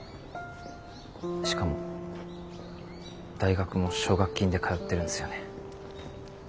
しかも大学も奨学金で通ってるんすよね。